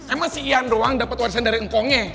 emang si ian doang dapet warisan dari ngkongnya